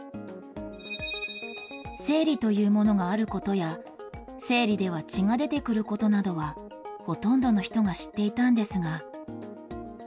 生理というものがあることや、生理では血が出てくることなどはほとんどの人が知っていたんですが。